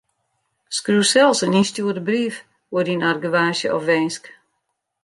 Skriuw sels in ynstjoerde brief oer dyn argewaasje of winsk.